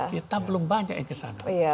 kita belum banyak yang ke sana